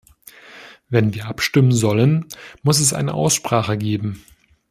Wenn wir abstimmen sollen, muss es eine Aussprache geben.